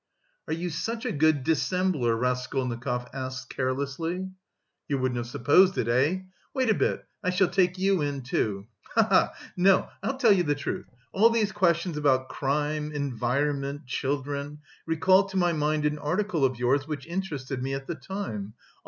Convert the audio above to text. "Are you such a good dissembler?" Raskolnikov asked carelessly. "You wouldn't have supposed it, eh? Wait a bit, I shall take you in, too. Ha ha ha! No, I'll tell you the truth. All these questions about crime, environment, children, recall to my mind an article of yours which interested me at the time.